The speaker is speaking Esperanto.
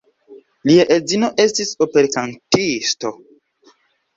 Lia edzino estis operkantisto.